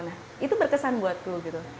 nah itu berkesan buatku gitu